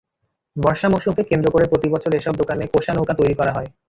বর্ষা মৌসুমকে কেন্দ্র করে প্রতিবছর এসব দোকানে কোষা নৌকা তৈরি করা হয়।